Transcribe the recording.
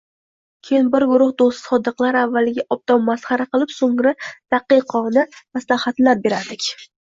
Keyin bir guruh doʻsti sodiqlar avvaliga obdon masxara qilib, soʻngra daqqiyona maslahatlar berardik...